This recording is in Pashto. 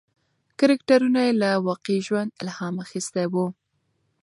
کرکټرونه یې له واقعي ژوند الهام اخیستی و.